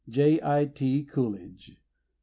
J. I. T. COOLIDGE. St.